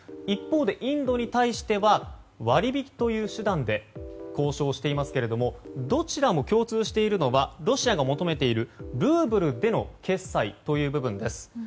一方でインドに対しては割引という手段で交渉していますけれどどちらも共通しているのはロシアが求めているルーブルでの決済という部分です。